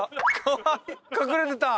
隠れてた。